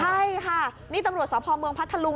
ใช่ค่ะนี่ตำรวจสพเมืองพัทธลุง